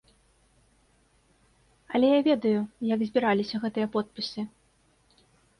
Але я ведаю, як збіраліся гэтыя подпісы.